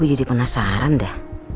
gue jadi penasaran dah